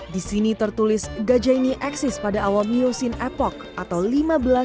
di sini tertulis gajah ini eksis pada awal miosin epoch atau limit